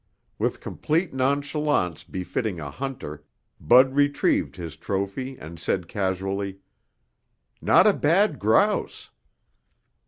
With complete nonchalance befitting a hunter, Bud retrieved his trophy and said casually, "Not a bad grouse."